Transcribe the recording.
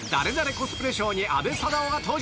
コスプレショーに阿部サダヲが登場！